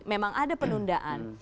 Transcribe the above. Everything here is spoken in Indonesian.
memang ada penundaan